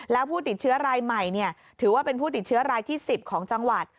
แล้วผู้ติดเชื้อรายใหม่ถือว่าเป็นผู้ติดเชื้อรายที่๑๐ของจังหวัด